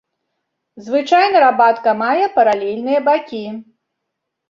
Звычайна рабатка мае паралельныя бакі.